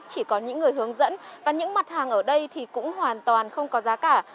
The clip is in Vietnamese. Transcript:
chỉ có những người hướng dẫn và những mặt hàng ở đây thì cũng hoàn toàn không có giá cả